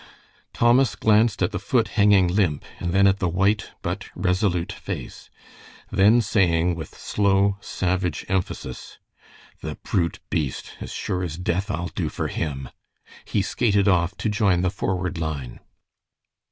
Thomas glanced at the foot hanging limp, and then at the white but resolute face. Then saying with slow, savage emphasis, "The brute beast! As sure as death I'll do for him," he skated off to join the forward line.